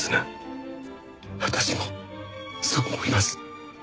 あたしもそう思います。